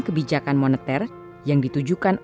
kebijakan moneter yang ditujukan